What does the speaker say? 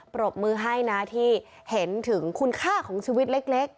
ปรบมือให้นะที่เห็นถึงคุณค่าของชีวิตเล็ก